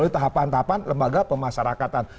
tahapan tahapan lembaga pemasarakatan